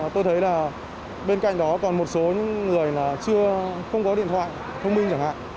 tôi thấy là bên cạnh đó còn một số những người là chưa không có điện thoại thông minh chẳng hạn